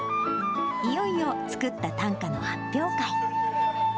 いよいよ作った短歌の発表会。